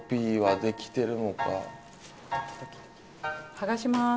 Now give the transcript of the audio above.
剥がします。